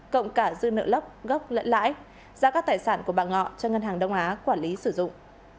cộng cả dư nợ lốc gốc lẫn lãi ra các tài sản của bà ngọ cho ngân hàng đông á quản lý sử dụng